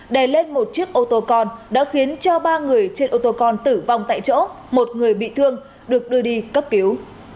đè lên một chiếc ô tô con đã khiến cho ba người trên ô tô con tử vong tại chỗ một người bị thương được đưa đi cấp cứu